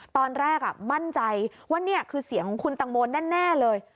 ตอนแรกมั่นใจว่านี่คือเสียงของคุณตังโมแน่เลย